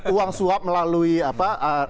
uang suap melalui apa